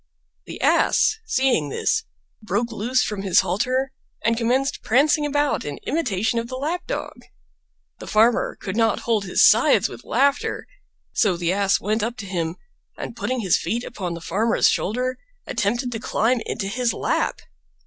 The Ass, seeing this, broke loose from his halter and commenced prancing about in imitation of the Lap dog. The Farmer could not hold his sides with laughter, so the Ass went up to him, and putting his feet upon the Farmer's shoulder attempted to climb into his lap.